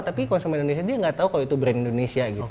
tapi konsumen indonesia dia nggak tahu kalau itu brand indonesia gitu